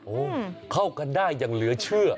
โอ้โหเข้ากันได้อย่างเหลือเชื่อ